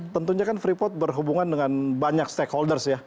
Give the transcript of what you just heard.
tentunya kan freeport berhubungan dengan banyak stakeholders ya